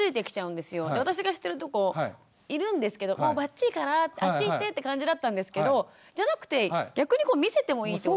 で私がしてるとこいるんですけどばっちいからあっち行ってって感じだったんですけどじゃなくて逆に見せてもいいってこと？